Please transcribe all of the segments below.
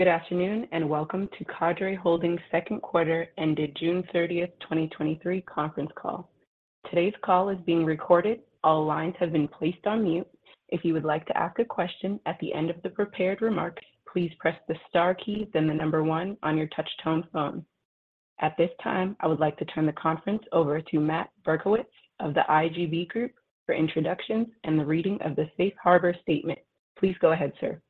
Good afternoon, and welcome to Cadre Holdings' second quarter ended June 30, 2023 conference call. Today's call is being recorded. All lines have been placed on mute. If you would like to ask a question at the end of the prepared remarks, please press the star key, then the number 1 on your touchtone phone. At this time, I would like to turn the conference over to Matt Berkowitz of The IGB Group for introductions and the reading of the safe harbor statement. Please go ahead, sir.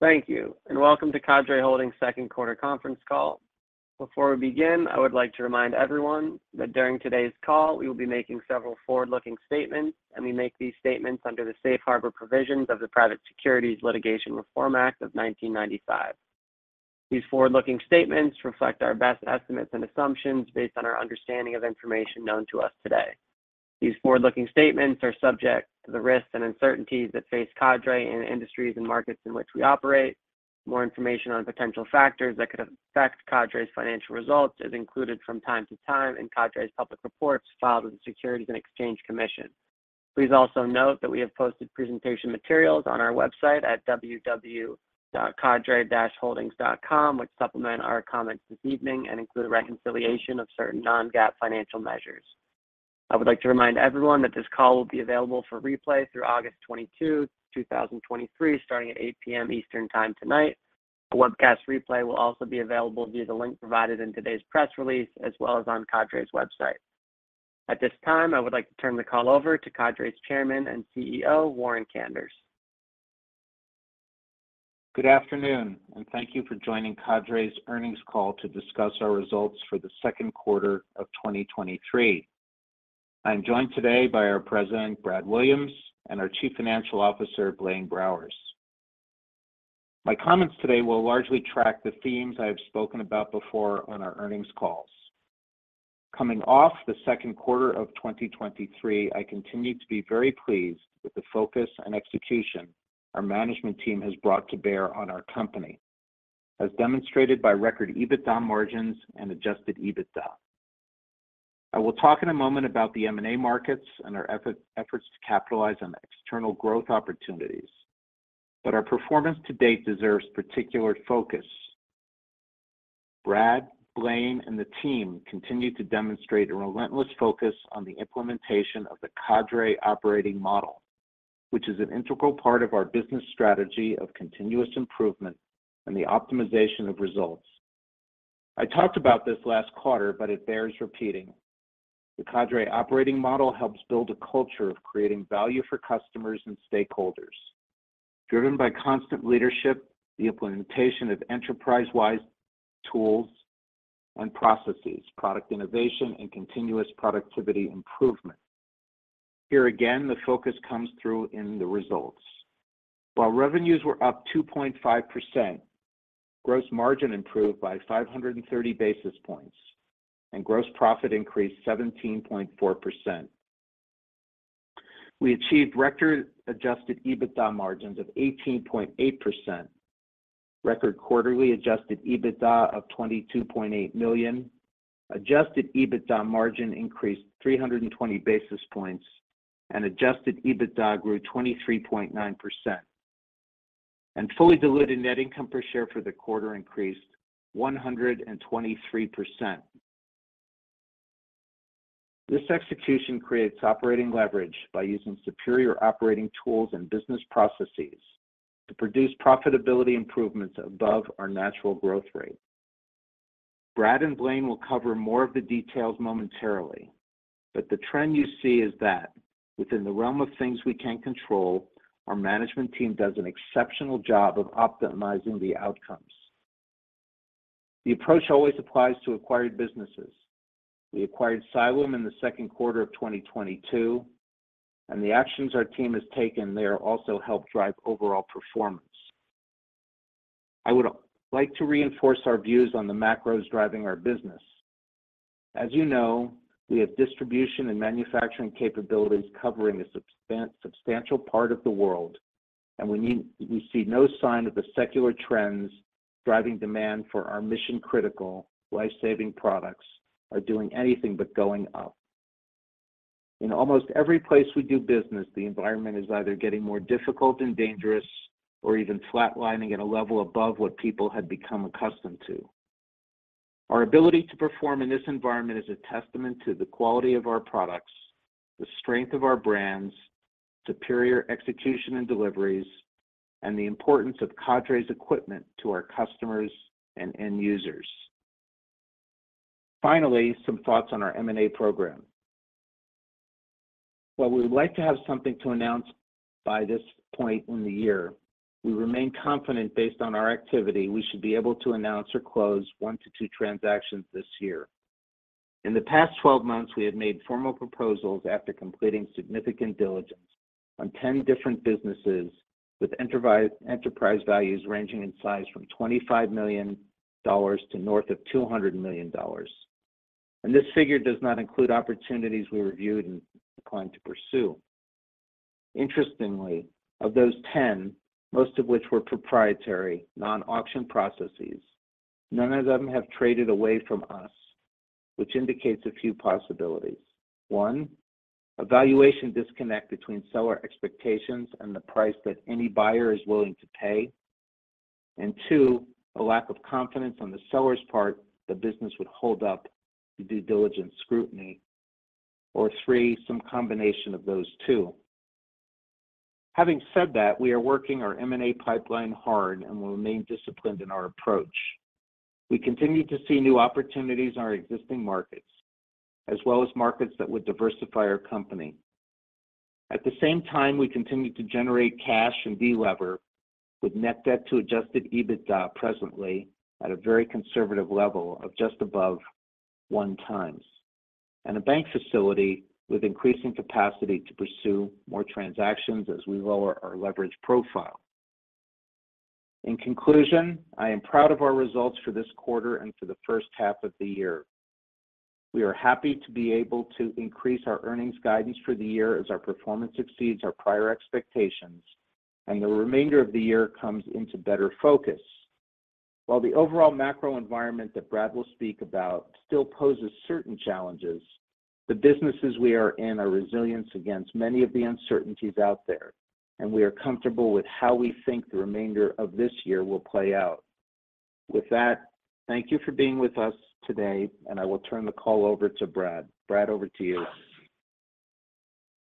Thank you, and welcome to Cadre Holdings' second quarter conference call. Before we begin, I would like to remind everyone that during today's call, we will be making several forward-looking statements, and we make these statements under the Safe Harbor Provisions of the Private Securities Litigation Reform Act of 1995. These forward-looking statements reflect our best estimates and assumptions based on our understanding of information known to us today. These forward-looking statements are subject to the risks and uncertainties that face Cadre in the industries and markets in which we operate. More information on potential factors that could affect Cadre's financial results is included from time to time in Cadre's public reports filed with the Securities and Exchange Commission. Please also note that we have posted presentation materials on our website at www.cadre-holdings.com, which supplement our comments this evening and include a reconciliation of certain non-GAAP financial measures. I would like to remind everyone that this call will be available for replay through August 22, 2023, starting at 8:00 P.M. Eastern Time tonight. A webcast replay will also be available via the link provided in today's press release, as well as on Cadre's website. At this time, I would like to turn the call over to Cadre's Chairman and CEO, Warren Kanders. Good afternoon, and thank you for joining Cadre's earnings call to discuss our results for the second quarter of 2023. I'm joined today by our President, Brad Williams, and our Chief Financial Officer, Blaine Browers. My comments today will largely track the themes I have spoken about before on our earnings calls. Coming off the second quarter of 2023, I continue to be very pleased with the focus and execution our management team has brought to bear on our company, as demonstrated by record EBITDA margins and our efforts to capitalize on external growth opportunities, but our performance to date deserves particular focus. Brad, Blaine, and the team continue to demonstrate a relentless focus on the implementation of the Cadre Operating Model, which is an integral part of our business strategy of continuous improvement and the optimization of results. I talked about this last quarter, but it bears repeating. The Cadre Operating Model helps build a culture of creating value for customers and stakeholders. Driven by constant leadership, the implementation of enterprise-wide tools and processes, product innovation, and continuous productivity improvement. Here again, the focus comes through in the results. While revenues were up 2.5%, gross margin improved by 530 basis points, and gross profit increased 17.4%. We achieved record adjusted EBITDA margins of 18.8%, record quarterly adjusted EBITDA of $22.8 million. Adjusted EBITDA margin increased 320 basis points, adjusted EBITDA grew 23.9%. Fully diluted net income per share for the quarter increased 123%. This execution creates operating leverage by using superior operating tools and business processes to produce profitability improvements above our natural growth rate. Brad and Blaine will cover more of the details momentarily, but the trend you see is that within the realm of things we can control, our management team does an exceptional job of optimizing the outcomes. The approach always applies to acquired businesses. We acquired Cyalume in the second quarter of 2022, and the actions our team has taken there also help drive overall performance. I would like to reinforce our views on the macros driving our business. As you know, we have distribution and manufacturing capabilities covering a substantial part of the world, and we see no sign of the secular trends driving demand for our mission-critical, life-saving products are doing anything but going up. In almost every place we do business, the environment is either getting more difficult and dangerous or even flatlining at a level above what people had become accustomed to. Our ability to perform in this environment is a testament to the quality of our products, the strength of our brands, superior execution and deliveries, and the importance of Cadre's equipment to our customers and end users. Finally, some thoughts on our M&A program. While we would like to have something to announce by this point in the year, we remain confident, based on our activity, we should be able to announce or close 1 to 2 transactions this year. In the past 12 months, we have made formal proposals after completing significant diligence on 10 different businesses with enterprise, enterprise values ranging in size from $25 million to north of $200 million. This figure does not include opportunities we reviewed and declined to pursue. Interestingly, of those 10, most of which were proprietary, non-auction processes, none of them have traded away from us. Which indicates a few possibilities. 1, a valuation disconnect between seller expectations and the price that any buyer is willing to pay. 2, a lack of confidence on the seller's part, the business would hold up to due diligence scrutiny. 3, some combination of those two. Having said that, we are working our M&A pipeline hard and will remain disciplined in our approach. We continue to see new opportunities in our existing markets, as well as markets that would diversify our company. At the same time, we continue to generate cash and delever, with net debt to adjusted EBITDA presently at a very conservative level of just above 1 times, and a bank facility with increasing capacity to pursue more transactions as we lower our leverage profile. In conclusion, I am proud of our results for this quarter and for the first half of the year. We are happy to be able to increase our earnings guidance for the year as our performance exceeds our prior expectations, and the remainder of the year comes into better focus. While the overall macro environment that Brad will speak about still poses certain challenges, the businesses we are in are resilient against many of the uncertainties out there, and we are comfortable with how we think the remainder of this year will play out. With that, thank you for being with us today, and I will turn the call over to Brad. Brad, over to you.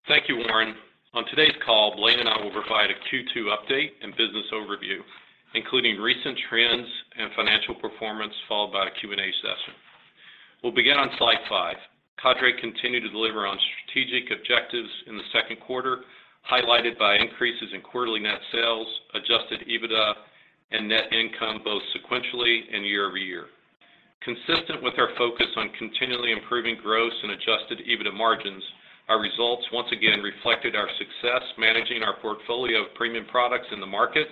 Thank you, Warren. On today's call, Blaine and I will provide a Q2 update and business overview, including recent trends and financial performance, followed by a Q&A session. We'll begin on slide 5. Cadre continued to deliver on strategic objectives in the second quarter, highlighted by increases in quarterly net sales, adjusted EBITDA, and net income, both sequentially and year-over-year. Consistent with our focus on continually improving gross and adjusted EBITDA margins, our results once again reflected our success managing our portfolio of premium products in the market,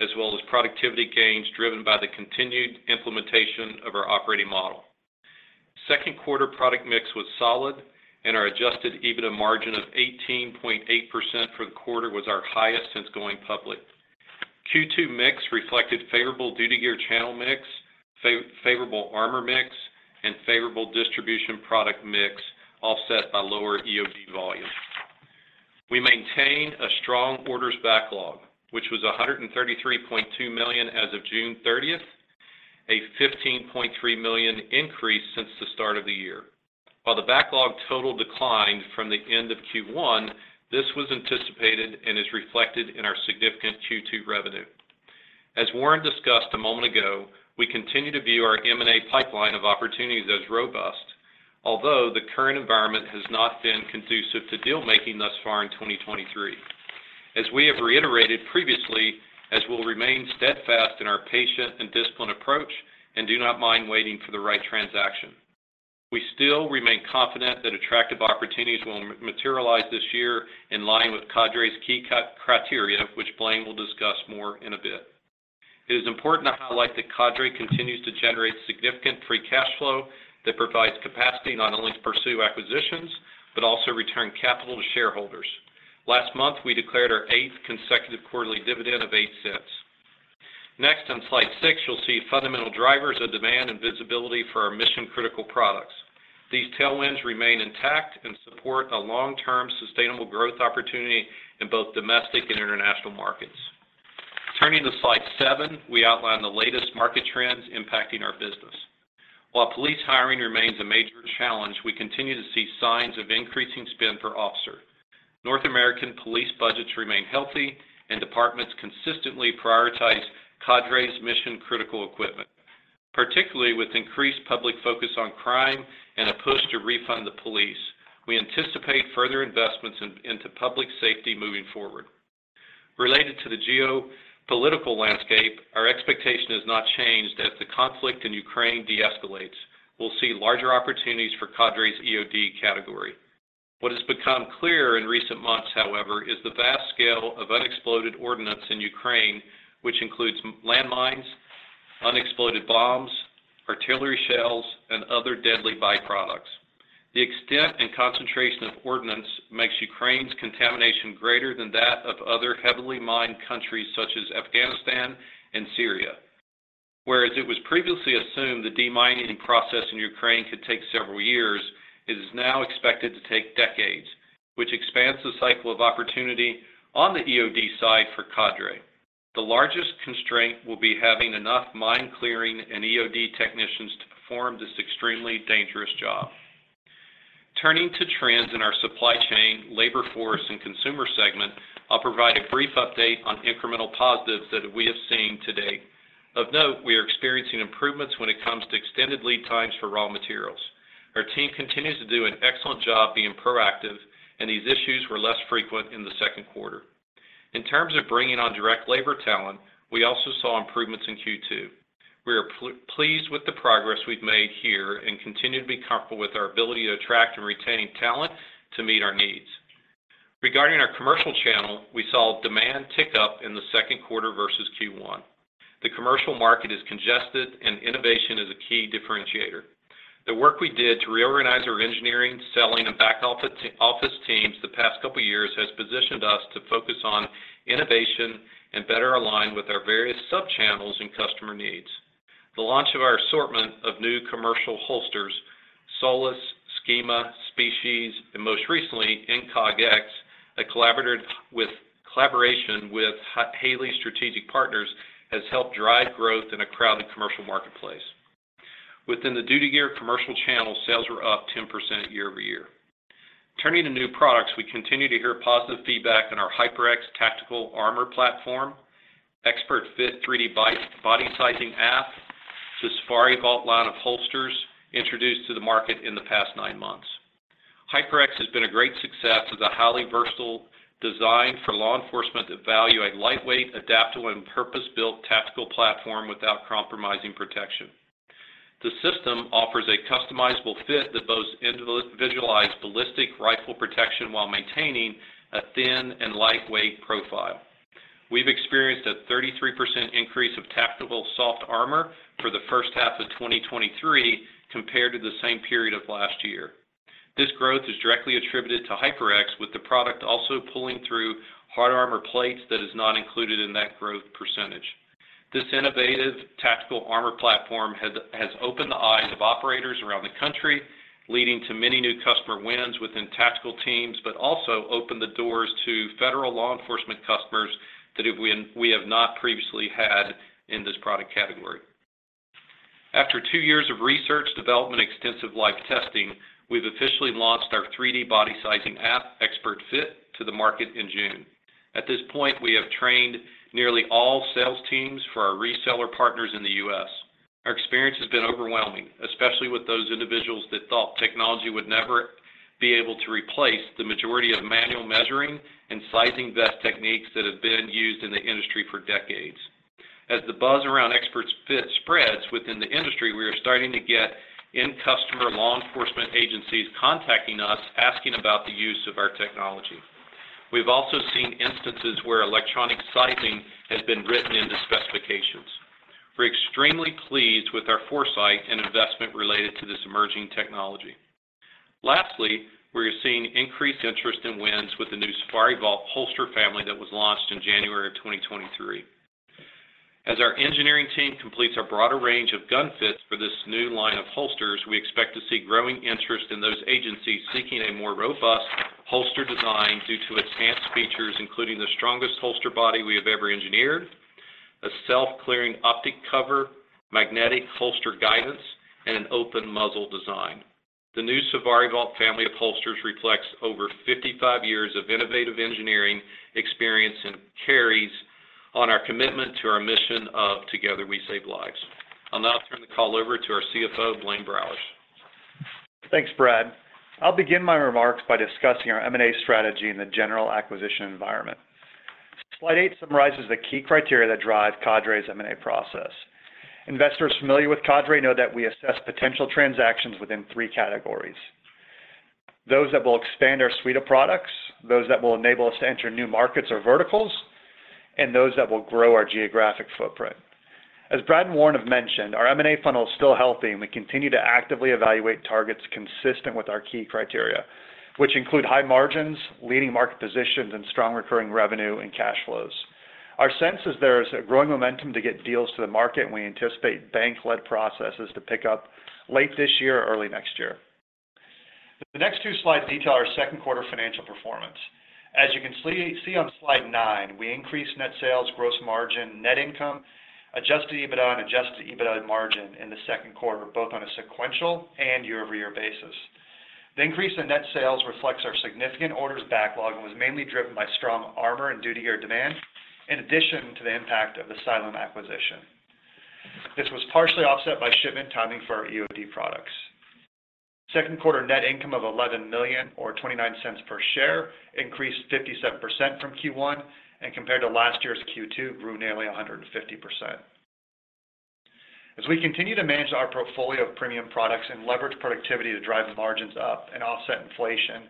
as well as productivity gains driven by the continued implementation of our Operating Model. Second quarter product mix was solid, and our adjusted EBITDA margin of 18.8% for the quarter was our highest since going public. Q2 mix reflected favorable duty gear channel mix, favorable armor mix, and favorable distribution product mix, offset by lower EOD volume. We maintain a strong orders backlog, which was $133.2 million as of June 30th, a $15.3 million increase since the start of the year. While the backlog total declined from the end of Q1, this was anticipated and is reflected in our significant Q2 revenue. As Warren discussed a moment ago, we continue to view our M&A pipeline of opportunities as robust, although the current environment has not been conducive to deal-making thus far in 2023. As we have reiterated previously, we'll remain steadfast in our patient and disciplined approach and do not mind waiting for the right transaction. We still remain confident that attractive opportunities will materialize this year in line with Cadre's key criteria, which Blaine will discuss more in a bit. It is important to highlight that Cadre continues to generate significant free cash flow that provides capacity not only to pursue acquisitions, but also return capital to shareholders. Last month, we declared our eighth consecutive quarterly dividend of $0.08. Next, on slide six, you'll see fundamental drivers of demand and visibility for our mission-critical products. These tailwinds remain intact and support a long-term, sustainable growth opportunity in both domestic and international markets. Turning to slide seven, we outline the latest market trends impacting our business. While police hiring remains a major challenge, we continue to see signs of increasing spend per officer. North American police budgets remain healthy, Departments consistently prioritize Cadre's mission-critical equipment. Particularly with increased public focus on crime and a push to refund the police, we anticipate further investments into public safety moving forward. Related to the geopolitical landscape, our expectation has not changed. As the conflict in Ukraine de-escalates, we'll see larger opportunities for Cadre's EOD category. What has become clear in recent months, however, is the vast scale of unexploded ordnance in Ukraine, which includes landmines, unexploded bombs, artillery shells, and other deadly byproducts. The extent and concentration of ordnance makes Ukraine's contamination greater than that of other heavily mined countries, such as Afghanistan and Syria. Whereas it was previously assumed the demining process in Ukraine could take several years, it is now expected to take decades, which expands the cycle of opportunity on the EOD side for Cadre. The largest constraint will be having enough mine-clearing and EOD technicians to perform this extremely dangerous job. Turning to trends in our supply chain, labor force, and consumer segment, I'll provide a brief update on incremental positives that we have seen to date. Of note, we are experiencing improvements when it comes to extended lead times for raw materials. Our team continues to do an excellent job being proactive, and these issues were less frequent in the second quarter. In terms of bringing on direct labor talent, we also saw improvements in Q2. We are pleased with the progress we've made here and continue to be comfortable with our ability to attract and retain talent to meet our needs. Regarding our commercial channel, we saw demand tick up in the second quarter versus Q1. The commercial market is congested and innovation is a key differentiator. The work we did to reorganize our engineering, selling, and back office teams couple years has positioned us to focus on innovation and better align with our various sub-channels and customer needs. The launch of our assortment of new commercial holsters, Solis, Schema, Species, and most recently, IncogX, a collaboration with Haley Strategic Partners, has helped drive growth in a crowded commercial marketplace. Within the duty gear commercial channel, sales were up 10% year-over-year. Turning to new products, we continue to hear positive feedback on our HyperX Tactical Armor platform, XpertFit 3D Body Sizing app, the SafariVault line of holsters introduced to the market in the past 9 months. HyperX has been a great success as a highly versatile design for law enforcement that value a lightweight, adaptable, and purpose-built tactical platform without compromising protection. The system offers a customizable fit that boasts individualized ballistic rifle protection while maintaining a thin and lightweight profile. We've experienced a 33% increase of tactical soft armor for the first half of 2023 compared to the same period of last year. This growth is directly attributed to HyperX, with the product also pulling through hard armor plates that is not included in that growth %. This innovative tactical armor platform has opened the eyes of operators around the country, leading to many new customer wins within tactical teams, but also opened the doors to federal law enforcement customers that we have not previously had in this product category. After two years of research, development, extensive life testing, we've officially launched our 3D Body Sizing app, XpertFit, to the market in June. At this point, we have trained nearly all sales teams for our reseller partners in the U.S. Our experience has been overwhelming, especially with those individuals that thought technology would never be able to replace the majority of manual measuring and sizing vest techniques that have been used in the industry for decades. As the buzz around XpertFit spreads within the industry, we are starting to get end customer law enforcement agencies contacting us, asking about the use of our technology. We've also seen instances where electronic sizing has been written into specifications. We're extremely pleased with our foresight and investment related to this emerging technology. Lastly, we are seeing increased interest in wins with the new SafariVault holster family that was launched in January of 2023. As our engineering team completes a broader range of gun fits for this new line of holsters, we expect to see growing interest in those agencies seeking a more robust holster design due to enhanced features, including the strongest holster body we have ever engineered, a self-clearing optic cover, magnetic holster guidance, and an open muzzle design. The new SafariVault family of holsters reflects over 55 years of innovative engineering experience and carries on our commitment to our mission of Together We Save Lives. I'll now turn the call over to our CFO, Blaine Browers. Thanks, Brad. I'll begin my remarks by discussing our M&A strategy in the general acquisition environment. Slide 8 summarizes the key criteria that drive Cadre's M&A process. Investors familiar with Cadre know that we assess potential transactions within 3 categories: those that will expand our suite of products, those that will enable us to enter new markets or verticals, and those that will grow our geographic footprint. As Brad and Warren have mentioned, our M&A funnel is still healthy, and we continue to actively evaluate targets consistent with our key criteria, which include high margins, leading market positions, and strong recurring revenue and cash flows. Our sense is there is a growing momentum to get deals to the market, and we anticipate bank-led processes to pick up late this year or early next year. The next 2 slides detail our second quarter financial performance. As you can see on slide 9, we increased net sales, gross margin, net income, adjusted EBITDA, and adjusted EBITDA margin in the second quarter, both on a sequential and year-over-year basis. The increase in net sales reflects our significant orders backlog and was mainly driven by strong armor and duty gear demand, in addition to the impact of the Cyalume acquisition. This was partially offset by shipment timing for our EOD products. Second quarter net income of $11 million or $0.29 per share increased 57% from Q1, and compared to last year's Q2, grew nearly 150%. As we continue to manage our portfolio of premium products and leverage productivity to drive margins up and offset inflation,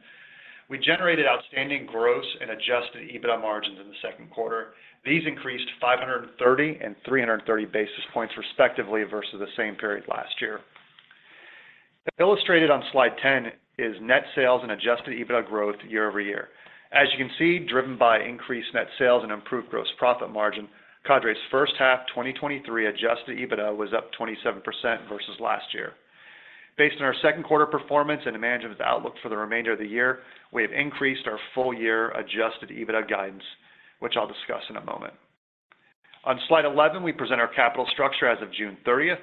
we generated outstanding gross and adjusted EBITDA margins in the second quarter. These increased 530 and 330 basis points, respectively, versus the same period last year. Illustrated on Slide 10 is net sales and adjusted EBITDA growth year-over-year. As you can see, driven by increased net sales and improved gross profit margin, Cadre's first half, 2023 adjusted EBITDA was up 27% versus last year. Based on our second quarter performance and management's outlook for the remainder of the year, we have increased our full-year adjusted EBITDA guidance, which I'll discuss in a moment. On Slide 11, we present our capital structure. As of June 30th,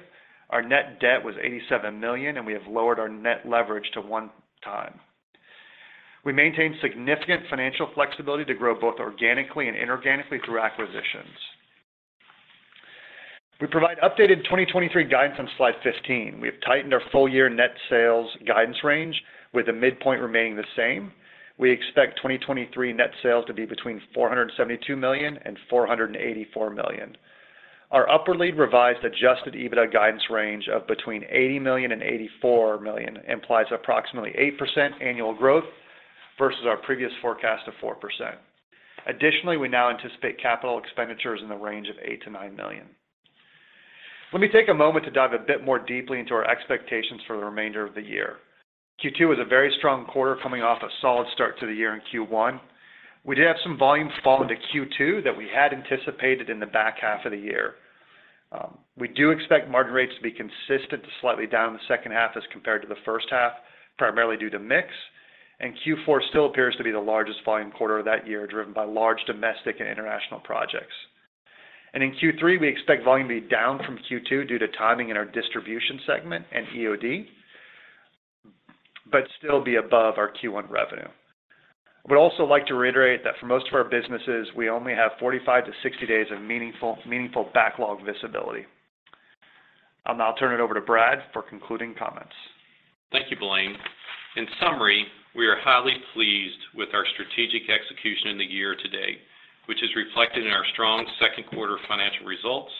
our net debt was $87 million, and we have lowered our net leverage to 1 time. We maintain significant financial flexibility to grow both organically and inorganically through acquisitions. We provide updated 2023 guidance on Slide 15. We have tightened our full-year net sales guidance range, with the midpoint remaining the same. We expect 2023 net sales to be between $472 million and $484 million. Our upwardly revised adjusted EBITDA guidance range of between $80 million and $84 million implies approximately 8% annual growth versus our previous forecast of 4%. Additionally, we now anticipate capital expenditures in the range of $8 million-$9 million. Let me take a moment to dive a bit more deeply into our expectations for the remainder of the year. Q2 was a very strong quarter, coming off a solid start to the year in Q1. We did have some volume fall into Q2 that we had anticipated in the back half of the year. We do expect margin rates to be consistent to slightly down in the second half as compared to the first half, primarily due to mix. Q4 still appears to be the largest volume quarter of that year, driven by large domestic and international projects. In Q3, we expect volume to be down from Q2 due to timing in our distribution segment and EOD, but still be above our Q1 revenue. I would also like to reiterate that for most of our businesses, we only have 45 to 60 days of meaningful, meaningful backlog visibility. I'll now turn it over to Brad for concluding comments. Thank you, Blaine. In summary, we are highly pleased with our strategic execution in the year to date, which is reflected in our strong second quarter financial results.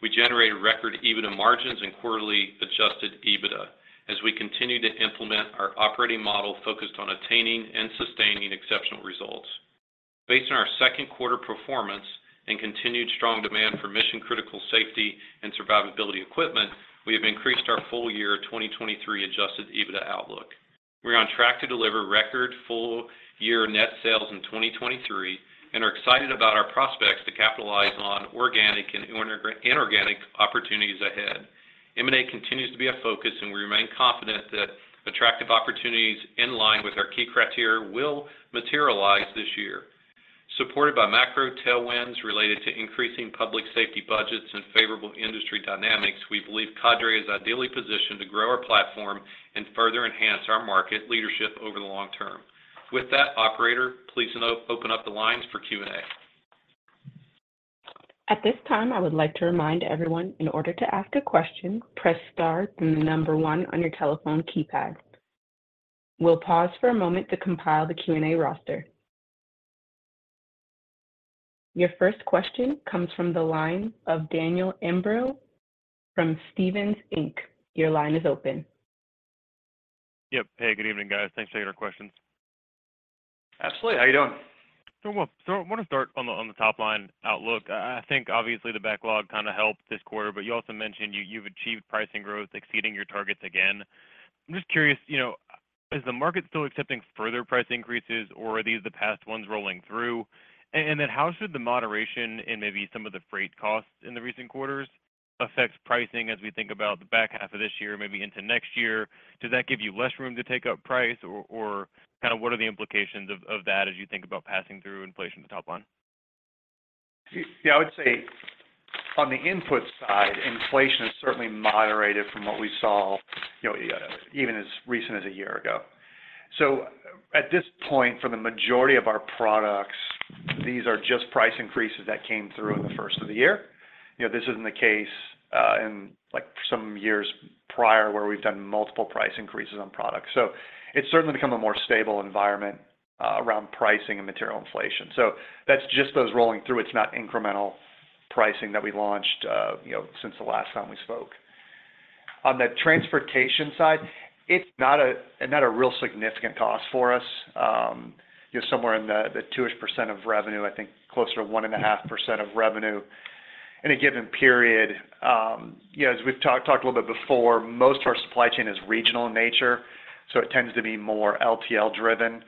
We generated record EBITDA margins and quarterly adjusted EBITDA as we continue to implement our operating model focused on attaining and sustaining exceptional results. Based on our second quarter performance and continued strong demand for mission-critical safety and survivability equipment, we have increased our full year 2023 adjusted EBITDA outlook. We're on track to deliver record full year net sales in 2023, and are excited about our prospects to capitalize on organic and inorganic opportunities ahead. M&A continues to be a focus, and we remain confident that attractive opportunities in line with our key criteria will materialize this year. Supported by macro tailwinds related to increasing public safety budgets and favorable industry dynamics, we believe Cadre is ideally positioned to grow our platform and further enhance our market leadership over the long term. With that, operator, please open up the lines for Q&A. At this time, I would like to remind everyone, in order to ask a question, press Star, then 1 on your telephone keypad. We'll pause for a moment to compile the Q&A roster. Your first question comes from the line of Daniel Imbro from Stephens Inc. Your line is open. Yep. Hey, good evening, guys. Thanks for taking our questions. Absolutely. How are you doing? Doing well. I wanna start on the top line outlook. I think obviously the backlog kind of helped this quarter, but you also mentioned you've achieved pricing growth exceeding your targets again. I'm just curious, you know, is the market still accepting further price increases, or are these the past ones rolling through? How should the moderation in maybe some of the freight costs in the recent quarters affect pricing as we think about the back half of this year, maybe into next year? Does that give you less room to take up price, or kind of what are the implications of that as you think about passing through inflation at the top line? Yeah, I would say on the input side, inflation has certainly moderated from what we saw, you know, even as recent as a year ago. At this point, for the majority of our products, these are just price increases that came through in the first of the year. You know, this isn't the case, in, like, some years prior, where we've done multiple price increases on products. It's certainly become a more stable environment, around pricing and material inflation. That's just those rolling through. It's not incremental pricing that we launched, you know, since the last time we spoke. On the transportation side, it's not a, not a real significant cost for us, you know, somewhere in the, the 2-ish% of revenue, I think closer to 1.5% of revenue in a given period. you know, as we've talked, talked a little bit before, most of our supply chain is regional in nature, so it tends to be more LTL driven.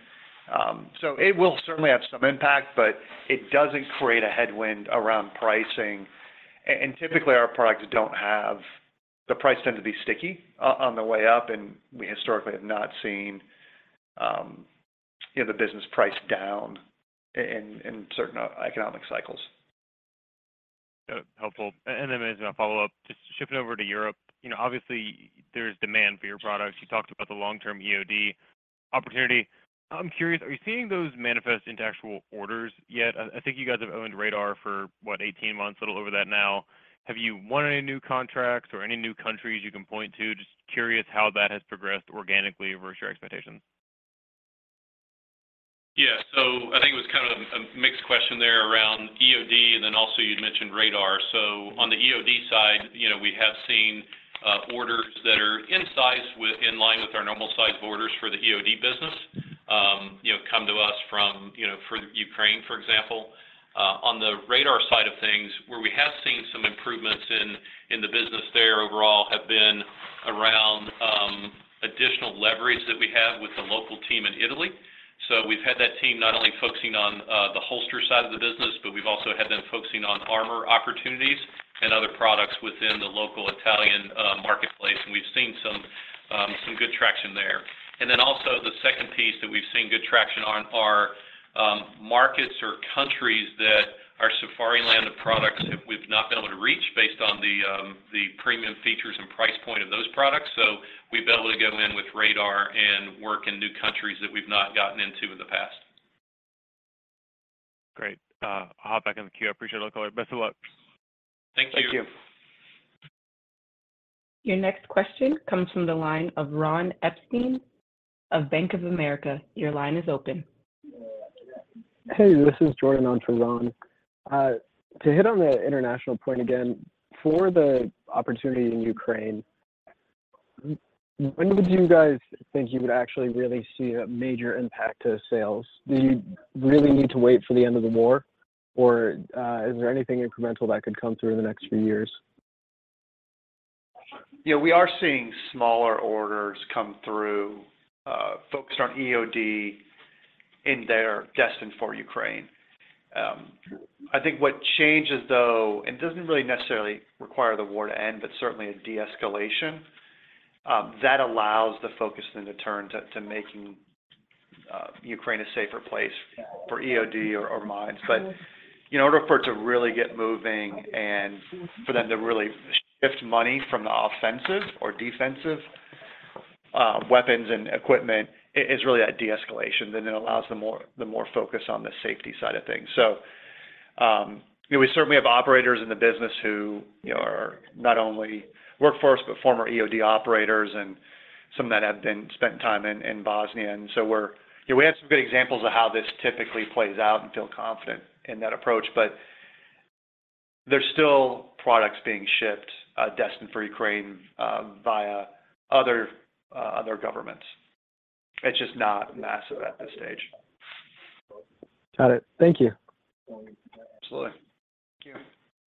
So it will certainly have some impact, but it doesn't create a headwind around pricing. Typically, our products don't have, the price tend to be sticky on the way up, and we historically have not seen, you know, the business price down in certain economic cycles. Helpful. Then as a follow-up, just shifting over to Europe, you know, obviously, there's demand for your products. You talked about the long-term EOD opportunity. I'm curious, are you seeing those manifest into actual orders yet? I think you guys have owned Radar for what, 18 months, a little over that now. Have you won any new contracts or any new countries you can point to? Just curious how that has progressed organically versus your expectations. Yeah. I think it was kind of a, a mixed question there around EOD, and then also you'd mentioned radar. On the EOD side, you know, we have seen orders that are in size with-- in line with our normal sized orders for the EOD business, you know, come to us from, you know, for Ukraine, for example. On the radar side of things, where we have seen some improvements in, in the business there overall, have been around additional leverage that we have with the local team in Italy. We've had that team not only focusing on the holster side of the business, but we've also had them focusing on armor opportunities and other products within the local Italian marketplace, and we've seen some good traction there. Then also the second piece that we've seen good traction on are markets or countries that are Safariland of products that we've not been able to reach based on the premium features and price point of those products. We've been able to go in with radar and work in new countries that we've not gotten into in the past. Great. I'll hop back in the queue. I appreciate it. Best of luck. Thank you. Thank you. Your next question comes from the line of Ron Epstein of Bank of America. Your line is open. Hey, this is Jordan on for Ron. To hit on the international point again, for the opportunity in Ukraine- When would you guys think you would actually really see a major impact to sales? Do you really need to wait for the end of the war, or is there anything incremental that could come through in the next few years? Yeah, we are seeing smaller orders come through, focused on EOD, and they are destined for Ukraine. I think what changes, though, and doesn't really necessarily require the war to end, but certainly a de-escalation, that allows the focus then to turn to, to making Ukraine a safer place for EOD or, or mines. In order for it to really get moving and for them to really shift money from the offensive or defensive weapons and equipment, it's really that de-escalation, then it allows the more, the more focus on the safety side of things. Yeah, we certainly have operators in the business who, you know, are not only workforce, but former EOD operators, and some that have spent time in, in Bosnia. We're, yeah, we have some good examples of how this typically plays out and feel confident in that approach. There's still products being shipped, destined for Ukraine, via other, other governments. It's just not massive at this stage. Got it. Thank you. Absolutely. Thank you.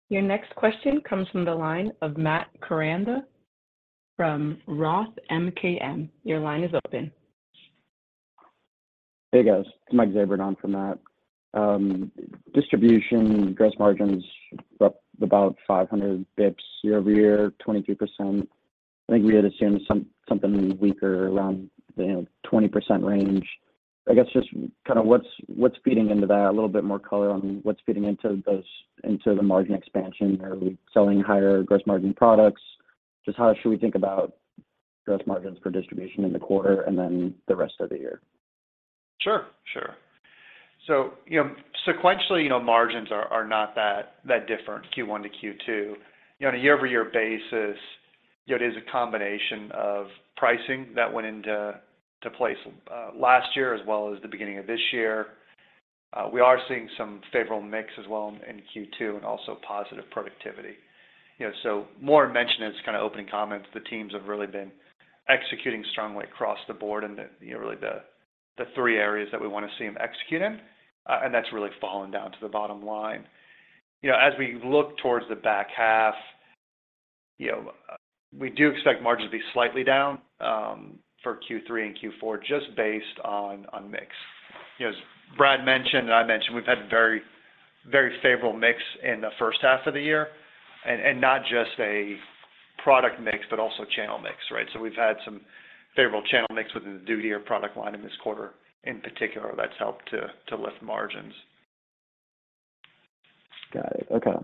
Your next question comes from the line of Matt Koranda from ROTH MKM. Your line is open. Hey, guys. It's Mike Zabran from Matt. Distribution gross margins up about 500 BPS year-over-year, 23%. I think we had assumed something weaker around, you know, 20% range. I guess just kind of what's, what's feeding into that? A little bit more color on what's feeding into those, into the margin expansion. Are we selling higher gross margin products? Just how should we think about gross margins for distribution in the quarter, and then the rest of the year? Sure, sure. You know, sequentially, you know, margins are, are not that, that different, Q1 to Q2. You know, on a year-over-year basis, it is a combination of pricing that went into place last year as well as the beginning of this year. We are seeing some favorable mix as well in Q2, and also positive productivity. You know, Moore mentioned in his kind of opening comments, the teams have really been executing strongly across the board in the, you know, really the, the three areas that we want to see them execute in, and that's really fallen down to the bottom line. You know, as we look towards the back half, you know, we do expect margins to be slightly down for Q3 and Q4, just based on, on mix. You know, as Brad mentioned, and I mentioned, we've had very, very favorable mix in the first half of the year, and, and not just a product mix, but also channel mix, right? We've had some favorable channel mix within the duty or product line in this quarter, in particular, that's helped to, to lift margins. Got it. Okay.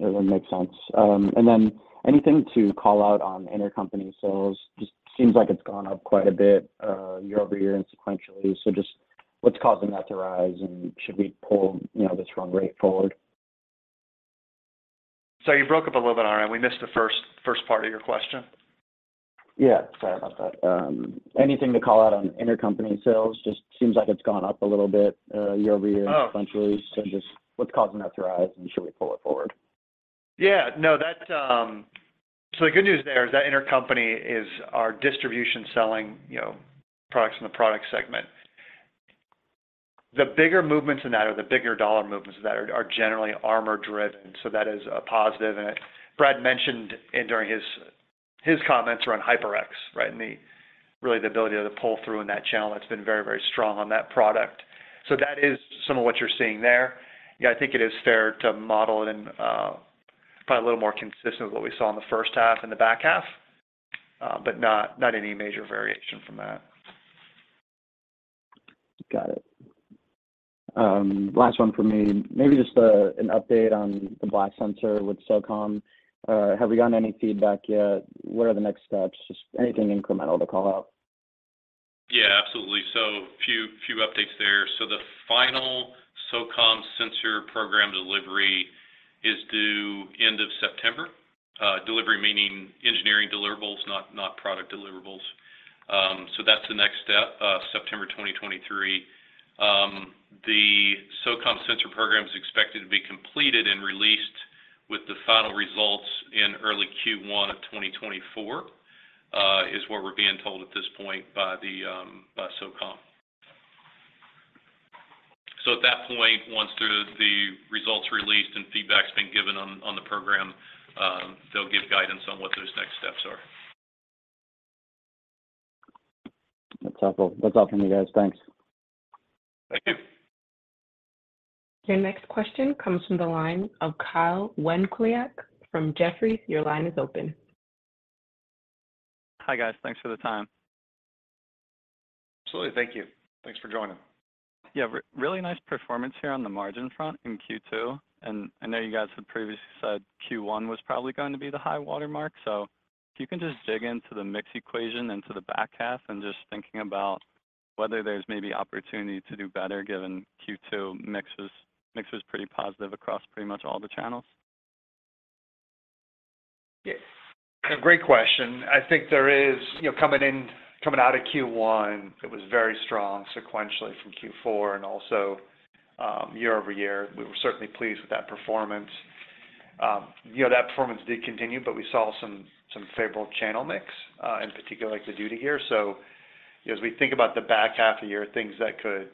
That would make sense. Then anything to call out on intercompany sales? Just seems like it's gone up quite a bit, year-over-year and sequentially. Just what's causing that to rise, and should we pull, you know, this run rate forward? Sorry, you broke up a little bit, and we missed the first, first part of your question. Yeah, sorry about that. Anything to call out on intercompany sales? Just seems like it's gone up a little bit, year-over-year. Oh... sequentially. Just what's causing that to rise, and should we pull it forward? No, that's. The good news there is that intercompany is our distribution selling, you know, products in the product segment. The bigger movements in that, or the bigger dollar movements in that are, are generally armor-driven, so that is a positive. Brad mentioned in during his, his comments around HyperX, right? The really the ability of the pull-through in that channel, it's been very, very strong on that product. That is some of what you're seeing there. I think it is fair to model it in, probably a little more consistent with what we saw in the first half and the back half, but not, not any major variation from that. Got it. Last one for me. Maybe just an update on the blast sensor with SOCOM. Have we gotten any feedback yet? What are the next steps? Just anything incremental to call out. Yeah, absolutely. Few, few updates there. The final SOCOM sensor program delivery is due end of September. Delivery, meaning engineering deliverables, not, not product deliverables. That's the next step, September 2023. The SOCOM sensor program is expected to be completed and released with the final results in early Q1 of 2024, is what we're being told at this point by SOCOM. At that point, once the, the results released and feedback's been given on, on the program, they'll give guidance on what those next steps are. That's helpful. That's all from me, guys. Thanks. Thank you. Your next question comes from the line of Kyle G. Wanclawiak from Jefferies. Your line is open. Hi, guys. Thanks for the time. Absolutely. Thank you. Thanks for joining. Yeah, really nice performance here on the margin front in Q2, and I know you guys had previously said Q1 was probably going to be the high-water mark. If you can just dig into the mix equation into the back half, and just thinking about whether there's maybe opportunity to do better, given Q2 mix was, mix was pretty positive across pretty much all the channels. Yeah. Great question. I think there is, you know, coming out of Q1, it was very strong sequentially from Q4, and also, year-over-year. We were certainly pleased with that performance. You know, that performance did continue, but we saw some, some favorable channel mix, in particular, like the duty gear. You know, as we think about the back half of the year, things that could,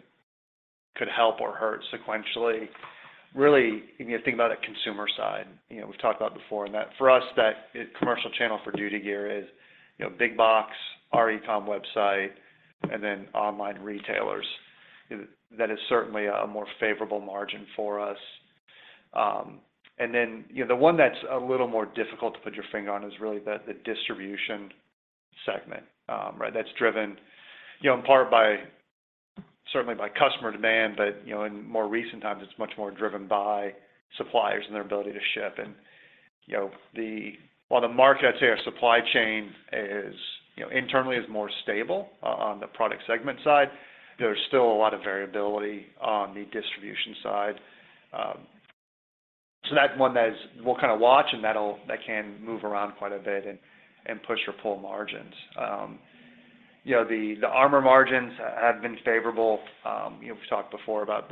could help or hurt sequentially, really, you need to think about it consumer side. You know, we've talked about before, and that for us, that commercial channel for duty gear is, you know, big box, our e-com website, and then online retailers. That is certainly a more favorable margin for us. And then, you know, the one that's a little more difficult to put your finger on is really the, the distribution segment. Right, that's driven, you know, in part by, certainly by customer demand, but, you know, in more recent times, it's much more driven by suppliers and their ability to ship. You know, while the market, I'd say our supply chain is, you know, internally is more stable on the product segment side, there's still a lot of variability on the distribution side. That's one that we'll kind of watch, and that can move around quite a bit and, and push or pull margins. You know, the, the armor margins have been favorable. You know, we've talked before about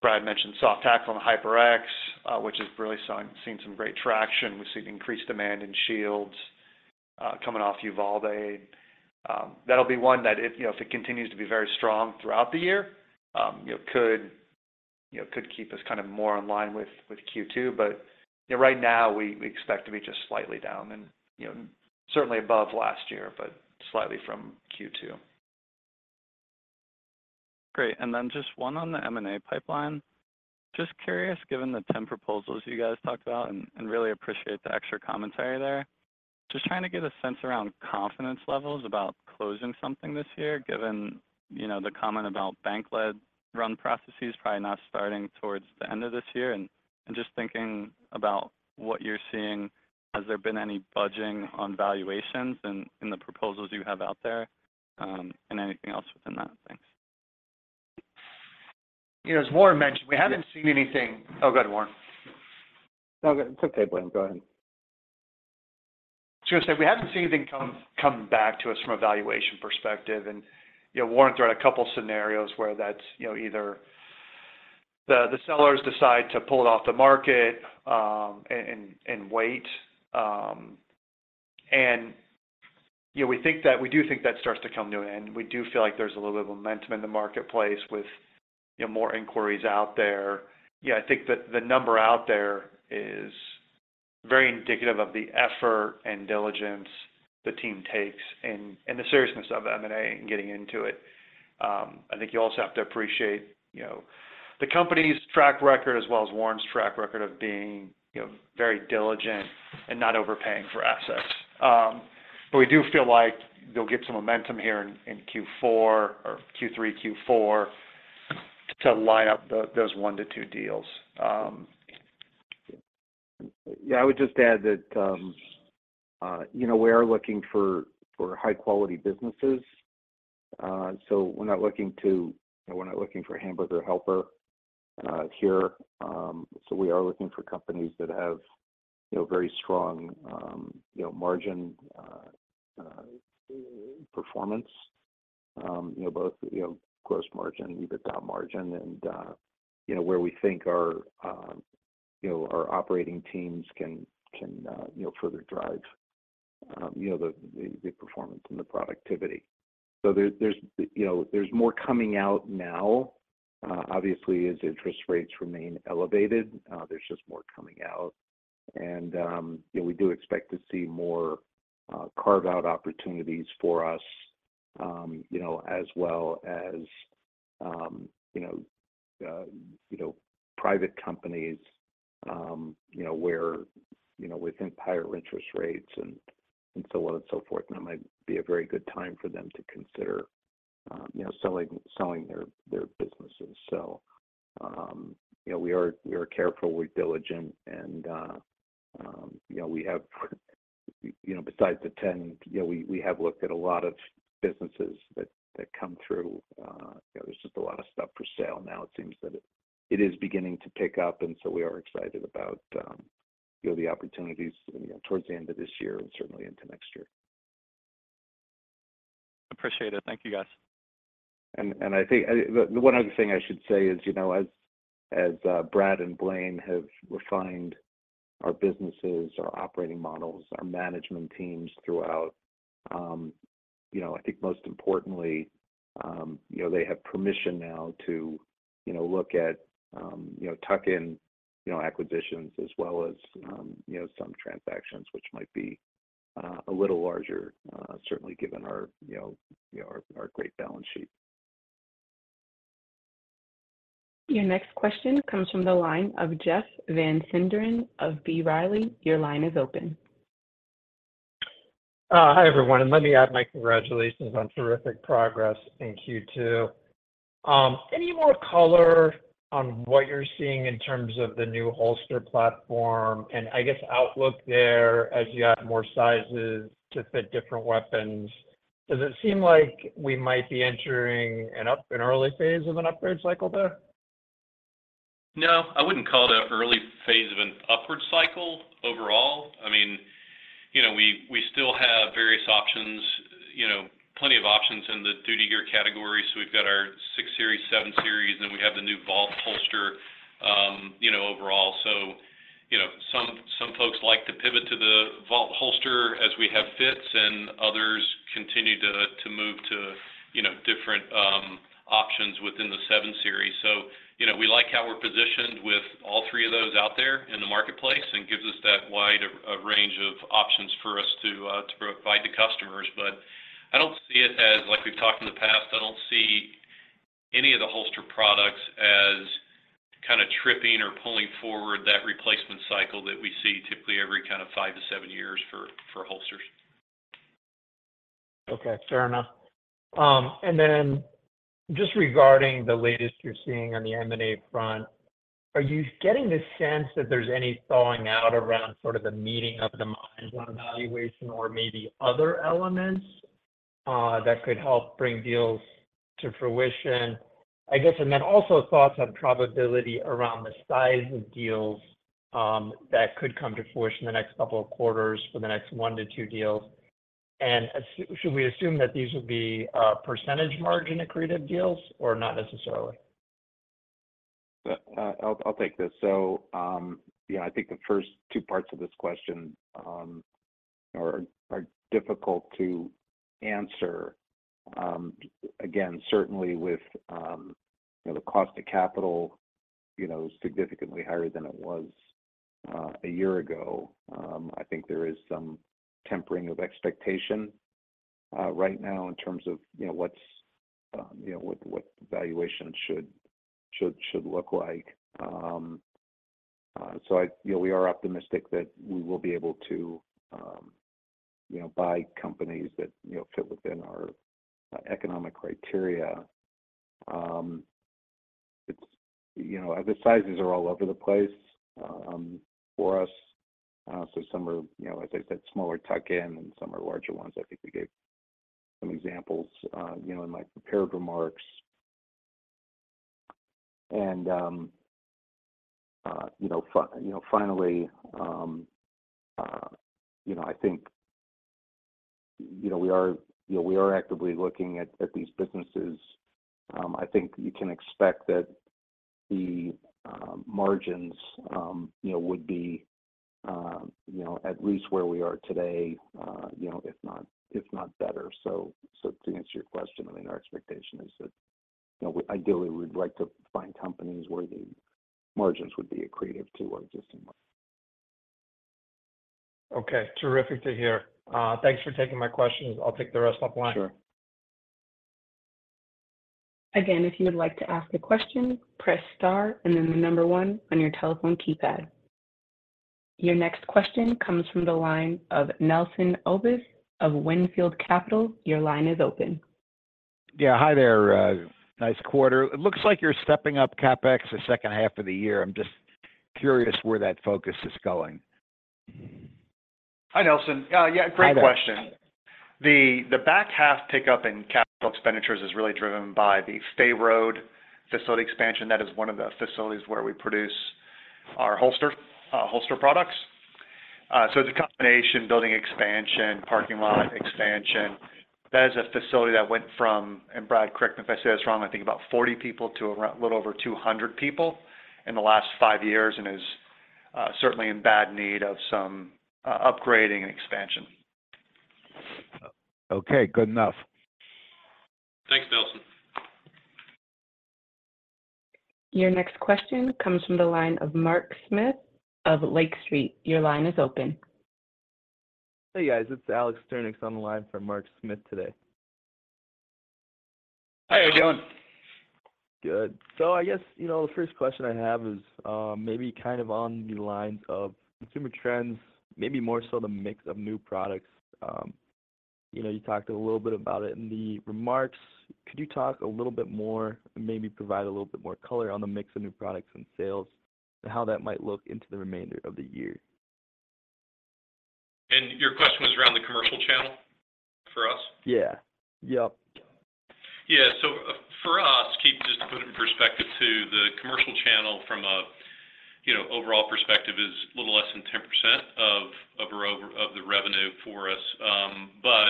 Brad mentioned soft tackle on the HyperX, which has really seen, seen some great traction. We've seen increased demand in shields, coming off Uvalde. That'll be one that if, if it continues to be very strong throughout the year, could keep us kind of more in line with Q2. Right now, we expect to be just slightly down and certainly above last year, but slightly from Q2. Great. Then just one on the M&A pipeline. Just curious, given the 10 proposals you guys talked about, and really appreciate the extra commentary there. Just trying to get a sense around confidence levels about closing something this year, given, you know, the comment about bank-led run processes, probably not starting towards the end of this year. Just thinking about what you're seeing, has there been any budging on valuations in, in the proposals you have out there, and anything else within that? Thanks. You know, as Warren mentioned, we haven't seen anything. Oh, go ahead, Warren. No, it's okay, Blaine, go ahead. I was going to say, we haven't seen anything come, come back to us from a valuation perspective. You know, Warren threw out a couple scenarios where that's, you know, either the, the sellers decide to pull it off the market, and, and, and wait. You know, we think that-- we do think that starts to come to an end. We do feel like there's a little bit of momentum in the marketplace with, you know, more inquiries out there. I think the, the number out there is very indicative of the effort and diligence the team takes and, and the seriousness of M&A and getting into it. I think you also have to appreciate, you know, the company's track record, as well as Warren's track record of being, you know, very diligent and not overpaying for assets. But we do feel like they'll get some momentum here in, in Q4 or Q3, Q4 to line up those 1 to 2 deals. Yeah, I would just add that, you know, we are looking for, for high-quality businesses. We're not looking to-- we're not looking for a Hamburger Helper here. We are looking for companies that have, you know, very strong, you know, margin performance, you know, both, you know, gross margin, EBITDA margin, and, you know, where we think our, you know, our operating teams can, can, you know, further drive, you know, the, the, the performance and the productivity. There's, there's, you know, there's more coming out now. Obviously, as interest rates remain elevated, there's just more coming out. We do expect to see more carve-out opportunities for us, as well as private companies, where within higher interest rates and so on and so forth, it might be a very good time for them to consider selling, selling their businesses. We are, we are careful, we're diligent, and we have, besides the 10, we have looked at a lot of businesses that come through. There's just a lot of stuff for sale now. It seems that it, it is beginning to pick up. We are excited about the opportunities towards the end of this year and certainly into next year. Appreciate it. Thank you, guys. I think the one other thing I should say is, you know, as, as, Brad and Blaine have refined our businesses, our operating models, our management teams throughout, you know, I think most importantly, you know, they have permission now to, you know, look at, you know, tuck in, you know, acquisitions as well as, you know, some transactions, which might be, a little larger, certainly given our, you know, you know, our, our great balance sheet. Your next question comes from the line of Jeff Van Sinderen of B. Riley. Your line is open. Hi, everyone, let me add my congratulations on terrific progress in Q2. Any more color on what you're seeing in terms of the new holster platform, I guess outlook there as you add more sizes to fit different weapons? Does it seem like we might be entering an early phase of an upward cycle there? No, I wouldn't call it an early phase of an upward cycle overall. I mean. You know, we still have various options, you know, plenty of options in the duty gear category. We've got our 6000 Series, 7000 Series, and then we have the new Vault holster, you know, overall. You know, some folks like to pivot to the Vault holster as we have fits, and others continue to move to, you know, different options within the 7000 Series. You know, we like how we're positioned with all three of those out there in the marketplace and gives us that wide range of options for us to provide to customers. I don't see it as like we've talked in the past, I don't see any of the holster products as kind of tripping or pulling forward that replacement cycle that we see typically every kind of 5 to 7 years for, for holsters. Okay, fair enough. Then just regarding the latest you're seeing on the M&A front, are you getting the sense that there's any thawing out around sort of the meeting of the minds on evaluation or maybe other elements that could help bring deals to fruition? I guess, and then also thoughts on probability around the size of deals that could come to fruition in the next couple of quarters for the next one to two deals. Should we assume that these would be percentage margin accretive deals or not necessarily? I'll, I'll take this. Yeah, I think the first two parts of this question are difficult to answer. Again, certainly with, you know, the cost of capital, you know, significantly higher than it was a year ago, I think there is some tempering of expectation right now in terms of, you know, what's, you know, what, what valuation should, should, should look like. We are optimistic that we will be able to, you know, buy companies that, you know, fit within our economic criteria. It's, you know, the sizes are all over the place for us. Some are, you know, as I said, smaller tuck-in, and some are larger ones. I think we gave some examples, you know, in my prepared remarks. You know, you know, finally, you know, I think, you know, we are, you know, we are actively looking at, at these businesses. I think you can expect that the margins, you know, would be, you know, at least where we are today, you know, if not, if not better. So to answer your question, I mean, our expectation is that, you know, ideally, we'd like to find companies where the margins would be accretive to our existing ones. Okay, terrific to hear. Thanks for taking my questions. I'll take the rest off line. Sure. Again, if you would like to ask a question, press Star and then the number one on your telephone keypad. Your next question comes from the line of Nelson Obus of Wynnefield Capital. Your line is open. Yeah, hi there. Nice quarter. It looks like you're stepping up CapEx the second half of the year. I'm just curious where that focus is going? Hi, Nelson. Yeah, great question. Hi there. The, the back half pickup in capital expenditures is really driven by the Stayner Road facility expansion. That is one of the facilities where we produce our holster products. It's a combination, building expansion, parking lot expansion. That is a facility that went from, and Brad, correct me if I say that's wrong, I think about 40 people to around a little over 200 people in the last 5 years, and is certainly in bad need of some upgrading and expansion. Okay, good enough. Thanks, Nelson. Your next question comes from the line of Mark Smith of Lake Street. Your line is open. Hey, guys, it's Alex Sturnieks on the line for Mark Smith today. Hi, how are you doing? Good. I guess, you know, the first question I have is, maybe kind of on the lines of consumer trends, maybe more so the mix of new products. You know, you talked a little bit about it in the remarks. Could you talk a little bit more, maybe provide a little bit more color on the mix of new products and sales, and how that might look into the remainder of the year? Your question was around the commercial channel for us? Yeah. Yep. Yeah. For us, keep just to put it in perspective, too, the commercial channel from a, you know, overall perspective is a little less than 10% of the revenue for us.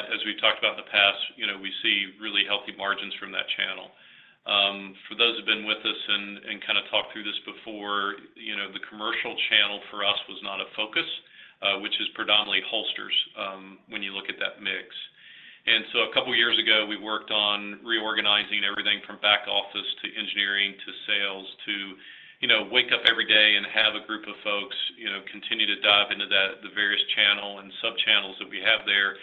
As we've talked about in the past, you know, we see really healthy margins from that channel. For those who've been with us and, and kind of talked through this before, you know, the commercial channel for us was not a focus, which is predominantly holsters, when you look at that mix. 2 years ago, we worked on reorganizing everything from back office to engineering, to sales, to, you know, wake up every day and have a group of folks, you know, continue to dive into the, the various channel and subchannels that we have there,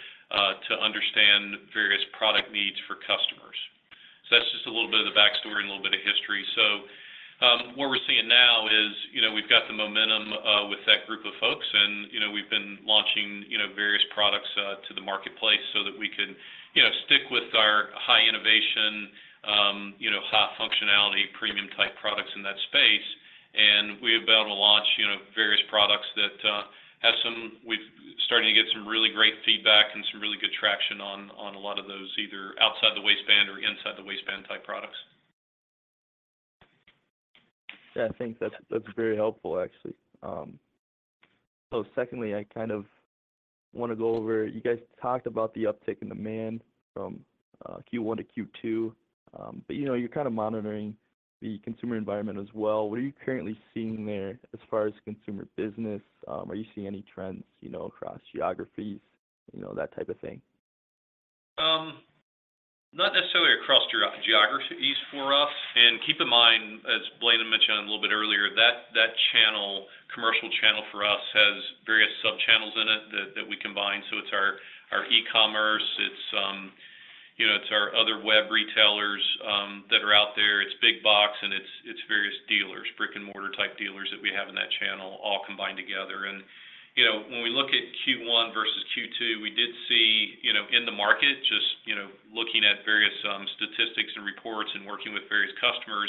to understand various product needs for customers. That's just a little bit of the backstory and a little bit of history. What we're seeing now is, you know, we've got the momentum, with that group of folks, and, you know, we've been launching, you know, various products, to the marketplace so that we can, you know, stick with our high innovation, you know, high functionality, premium-type products in that space. We're about to launch, you know, various products that we've started to get some really great feedback and some really good traction on, on a lot of those, either outside the waistband or. Yeah, I think that's, that's very helpful, actually. Secondly, I kind of wanna go over, you guys talked about the uptick in demand from Q1 to Q2. You know, you're kind of monitoring the consumer environment as well. What are you currently seeing there as far as consumer business? Are you seeing any trends, you know, across geographies, you know, that type of thing? Not necessarily across geographies for us. Keep in mind, as Blaine had mentioned a little bit earlier, that channel, commercial channel for us, has various sub-channels in it that we combine. It's our e-commerce, it's, you know, it's our other web retailers that are out there. It's big box, and it's various dealers, brick-and-mortar type dealers that we have in that channel all combined together. You know, when we look at Q1 versus Q2, we did see, you know, in the market, just, you know, looking at various statistics and reports and working with various customers,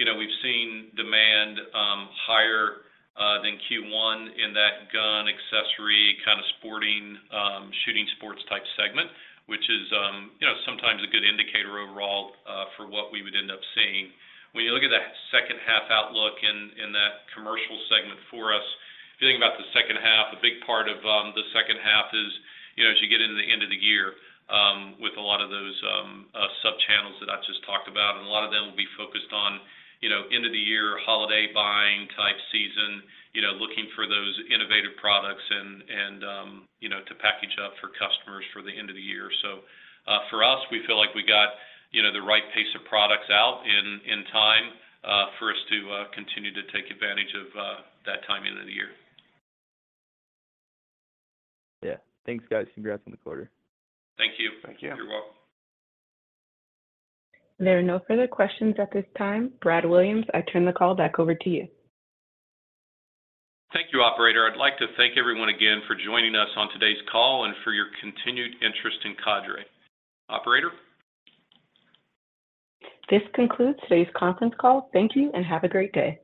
you know, we've seen demand higher than Q1 in that gun accessory, kind of sporting, shooting sports-type segment, which is, you know, sometimes a good indicator overall for what we would end up seeing. When you look at that second half outlook in, in that commercial segment for us, thinking about the second half, a big part of the second half is, you know, as you get into the end of the year, with a lot of those sub-channels that I just talked about, and a lot of them will be focused on, you know, end-of-the-year holiday buying type season, you know, looking for those innovative products and, and, you know, to package up for customers for the end of the year. So, for us, we feel like we got, you know, the right pace of products out in, in time, for us to continue to take advantage of that time end of the year. Yeah. Thanks, guys. Congrats on the quarter. Thank you. Thank you. You're welcome. There are no further questions at this time. Brad Williams, I turn the call back over to you. Thank you, operator. I'd like to thank everyone again for joining us on today's call and for your continued interest in Cadre. Operator? This concludes today's conference call. Thank you, and have a great day.